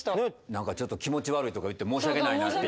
何かちょっと気持ち悪いとか言って申し訳ないなっていう。